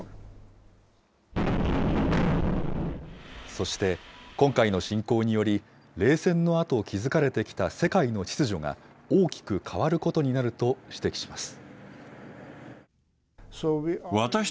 そして、今回の侵攻により、冷戦のあと築かれてきた世界の秩序が大きく変わることになると指摘します。